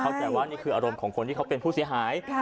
เข้าใจว่านี่คืออารมณ์ของคนที่เขาเป็นผู้เสียหาย